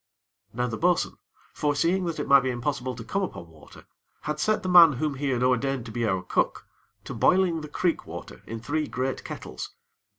Now the bo'sun, foreseeing that it might be impossible to come upon water, had set the man whom he had ordained to be our cook, to boiling the creek water in three great kettles.